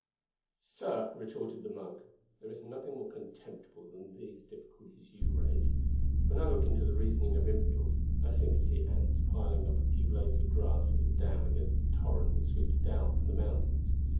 "Sir," retorted the Monk, "there is nothing more contemptible than these difficulties you raise. When I look into the reasoning of infidels, I seem to see ants piling up a few blades of grass as a dam against the torrent that sweeps down from the mountains.